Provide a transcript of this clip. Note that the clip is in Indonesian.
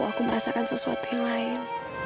aku merasakan sesuatu yang lain